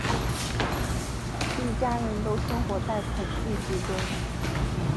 一家人都生活在恐惧之中